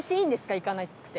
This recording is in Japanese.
いかなくて。